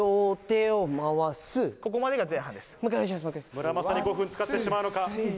ムラマサに５分使ってしまうのか。